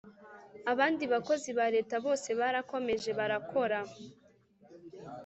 Abandi bakozi ba Leta bose barakomeje barakora